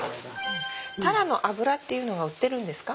タラの油っていうのが売ってるんですか？